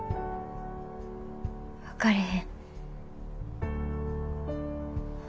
分かれへん。